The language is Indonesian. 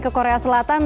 ke korea selatan